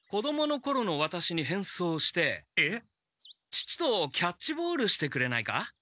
父とキャッチボールしてくれないか？